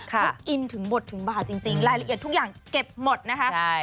เขาอินถึงบทถึงบาทจริงรายละเอียดทุกอย่างเก็บหมดนะคะ